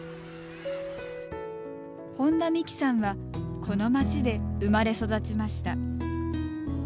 本多美紀さんはこの町で生まれ育ちました。